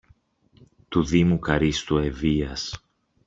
του Δήμου Καρύστου Ευβοίας